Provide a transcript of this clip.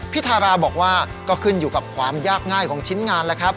พี่ทาราบอกว่าก็ขึ้นอยู่กับความยากง่ายของชิ้นงาน